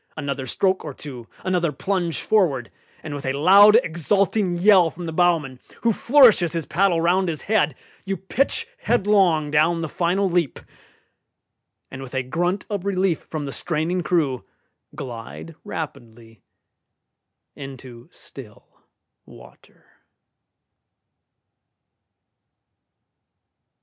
Another stroke or two, another plunge forward, and with a loud exulting yell from the bowman, who flourishes his paddle round his head, you pitch headlong down the final leap, and with a grunt of relief from the straining crew glide rapidly into still water.